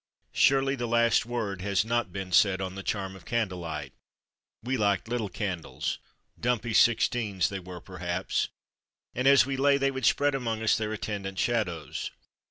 Surely the last word has not been said on the charm of candle light ; we liked little candles dumpy sixteens they were perhaps and as we lay they would spread among us their attendant shadows.